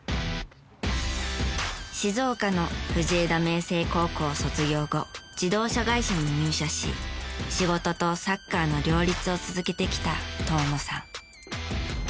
静岡の藤枝明誠高校を卒業後自動車会社に入社し仕事とサッカーの両立を続けてきた遠野さん。